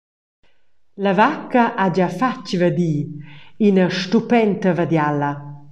La vacca ha gia fatg vadi, ina stupenta vadiala.